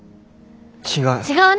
違う。